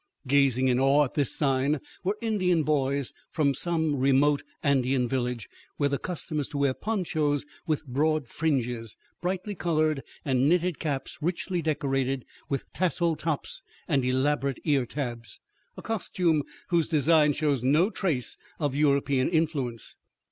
Gazing in awe at this sign were Indian boys from some remote Andean village where the custom is to wear ponchos with broad fringes, brightly colored, and knitted caps richly decorated with tasseled tops and elaborate ear tabs, a costume whose design shows no trace of European influence.